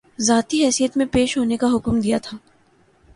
ذاتی حیثیت میں پیش ہونے کا حکم دیا تھا